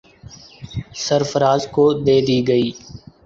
سرفراز کو دے دی گئی۔